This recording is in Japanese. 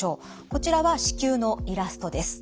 こちらは子宮のイラストです。